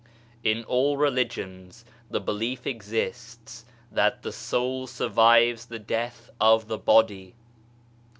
In all religions the belief exists that the Soul survives the death of the body.